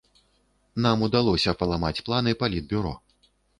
Нам удалося паламаць планы палітбюро.